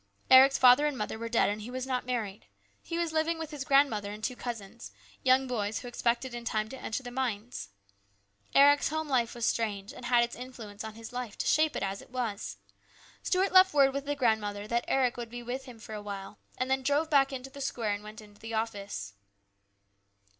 Eric's father and mother were dead, and he was not married ; he was living with his grandmother and two cousins, young boys who expected in time to enter the mines. Eric's home life was strange, and had its influence on his life to shape it as it was. Stuart left word with the grandmother that Eric would be with him for a while, and then drove back into the square and went into the office.